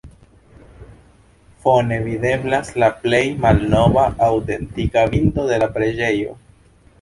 Fone videblas la plej malnova aŭtentika bildo de la preĝejo.